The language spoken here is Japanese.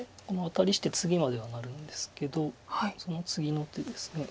このアタリしてツギまではなるんですけどその次の手です。